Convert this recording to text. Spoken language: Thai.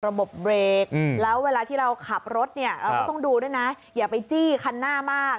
ระบบเบรกแล้วเวลาที่เราขับรถเนี่ยเราก็ต้องดูด้วยนะอย่าไปจี้คันหน้ามาก